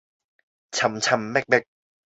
尋尋覓覓，